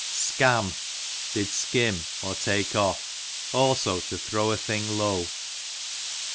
Skam, did skim, or take off; also to throw a thing low.